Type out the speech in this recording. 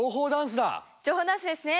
情報ダンスですね！